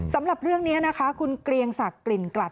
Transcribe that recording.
สำหรับเรื่องนี้นะคะคุณเกรียงศักดิ์กลิ่นกลัด